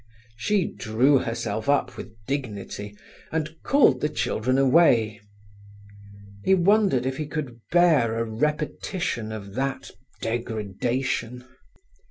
She drew herself up with dignity, and called the children away. He wondered if he could bear a repetition of that degradation.